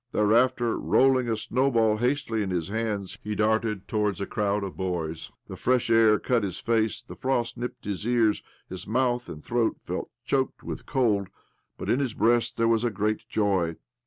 Thereafter, rolling a snowball hastily in his hands,. he darted towards a crowd of boys. The fresh air cut his face, the frost nipped his ears, his mouth and throat felt choked with cold, but in his breast there was a great joy.